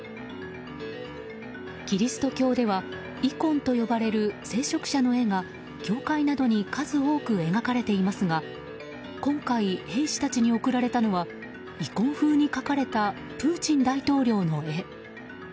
キリスト教ではイコンと呼ばれる聖職者の絵が教会などに数多く描かれていますが今回、兵士たちに送られたのはイコン風に描かれたプーチン大統領の絵。